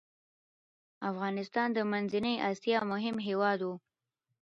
افغانستان د منځنی اسیا مهم هیواد و.